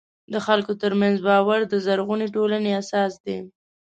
د خلکو ترمنځ باور د زرغونې ټولنې اساس دی.